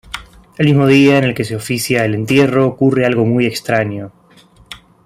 El mismo día en el que se oficia el entierro ocurre algo muy extraño.